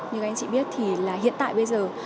như các anh chị biết thì là hiện tại bây giờ